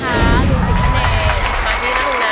ขอบคุณค่ะดูสิทธิ์ทะเนยสมัครดีนะคุณฮะ